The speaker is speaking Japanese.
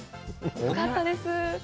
よかったです。